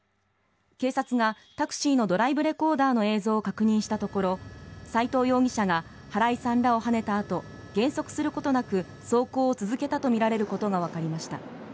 警察がタクシーのドライブレコーダーの映像を確認したところ斎藤容疑者が原井さんらをはねた後減速することなく走行を続けたとみられることが分かりました。